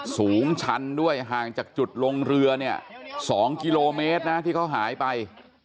สูงชั้นด้วยห่างจากจุดลงเรือเนี่ย๒กิโลเมตรนะที่เขาหายไป